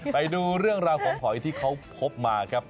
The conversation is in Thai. ไปดูเรื่องราวของหอยที่เขาพบมาครับ